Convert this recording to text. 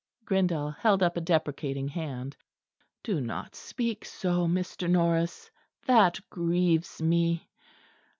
Grindal held up a deprecating hand. "Do not speak so, Mr. Norris. That grieves me.